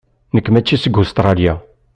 Nekk mačči seg Ustṛalya.